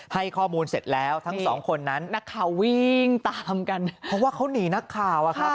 ให้ข้อมูลเสร็จแล้วทั้งสองคนนั้นนักข่าววิ่งตามกันเพราะว่าเขาหนีนักข่าวอะครับ